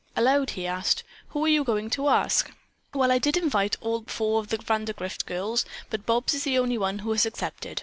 Aloud he asked, "Who are you going to ask?" "Well, I did invite all four of the Vandergrift girls, but Bobs is the only one who has accepted.